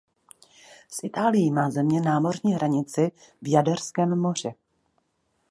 S Itálií má země námořní hranici v Jaderském moři.